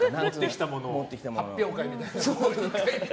発表会みたいな。